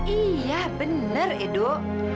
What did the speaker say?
iya bener eduk